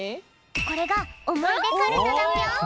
これがおもいでかるただぴょん。